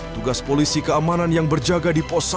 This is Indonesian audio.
tugas polisi keamanan yang berjaga di posko